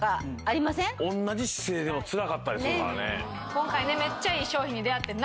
今回ねめっちゃいい商品に出会ってんな？